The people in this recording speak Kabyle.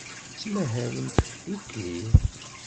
Ttmahalent ddukkli.